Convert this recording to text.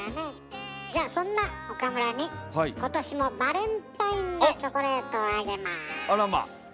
じゃあそんな岡村に今年もバレンタインのチョコレートをあげます。